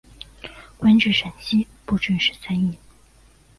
官至陕西布政使参议。